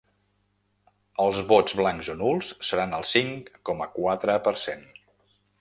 Els vots blancs o nuls seran el cinc coma quatre per cent.